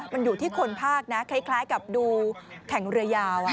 มันอยู่ที่คนภาคนะคล้ายกับดูแข่งเรือยาว